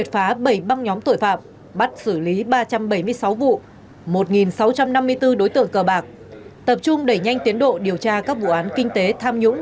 phá bảy băng nhóm tội phạm bắt xử lý ba trăm bảy mươi sáu vụ một sáu trăm năm mươi bốn đối tượng cờ bạc tập trung đẩy nhanh tiến độ điều tra các vụ án kinh tế tham nhũng